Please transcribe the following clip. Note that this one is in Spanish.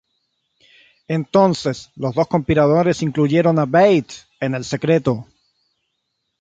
Entonces, los dos conspiradores incluyeron a Bates en el secreto.